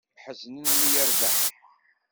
Ḥeznen mi yerbeḥ.